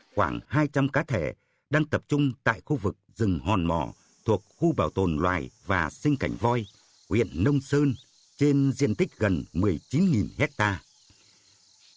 khoảng hai trăm linh cá thể đang tập trung tại khu vực rừng hòn mỏ thuộc khu bảo tồn loài và sinh cảnh voi huyện nông sơn trên diện tích gần một mươi chín hectare